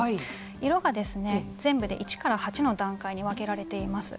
色が全部で１から８の段階に分けられています。